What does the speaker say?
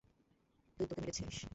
তোই তাকে মেরেছিস!